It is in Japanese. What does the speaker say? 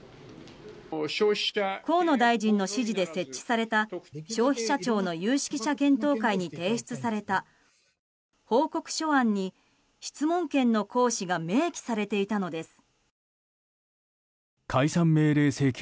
河野大臣の指示で設置された消費者庁の有識者検討会に提出された報告書案に質問権の行使が明記されていたのです。